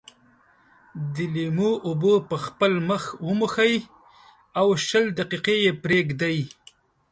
د لیمو اوبه په خپل مخ وموښئ او شل دقيقې یې پرېږدئ.